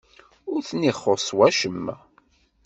Ur ten-ixuṣṣ wacemma?